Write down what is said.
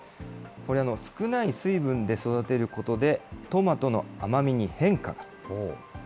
これ、少ない水分で育てることで、トマトの甘みに変化が。